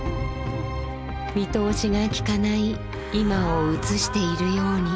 見通しがきかない今を映しているように。